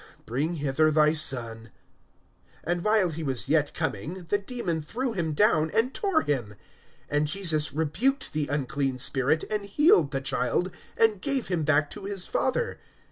Bring hither thy son. (42)And while he was yet coming, the demon threw him down, and tore him. And Jesus rebuked the unclean spirit, and healed the child, and gave him back to his father.